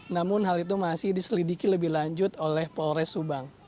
namun hal itu masih diselidiki lebih lanjut oleh polres subang